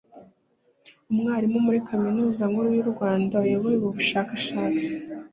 Umwarimu muri Kaminuza Nkuru y’u Rwanda wayoboye ubu bushakashatsi